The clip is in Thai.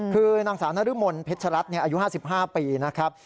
คือนางสาวน้ารึมมลเพชรรัฐอายุ๕๕ปีนะครับ